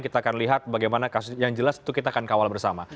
kita akan lihat bagaimana kasus yang jelas itu kita akan kawal bersama